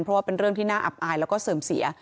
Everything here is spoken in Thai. เพราะว่าเป็นเรื่องที่น่าอับอายแล้วก็เสื่อมเสีย